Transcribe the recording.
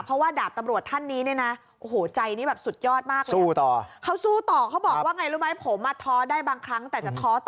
เพราะว่าดาบตำรวจท่านนี้นะใจนี่แบบสุดยอดมากเลย